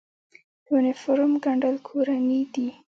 د یونیفورم ګنډل کورني دي؟